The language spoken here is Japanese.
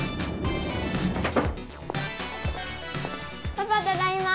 パパただいま！